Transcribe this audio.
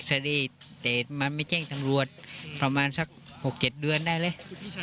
เชอรี่แต่มันไม่แจ้งตำรวจประมาณสัก๖๗เดือนได้เลย